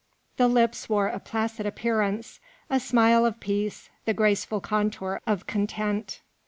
The lips wore a placid appearance a smile of peace, the graceful contour of content.